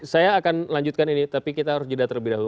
saya akan lanjutkan ini tapi kita harus jeda terlebih dahulu